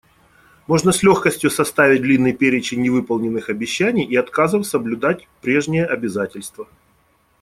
Можно с легкостью составить длинный перечень невыполненных обещаний и отказов соблюдать прежние обязательства.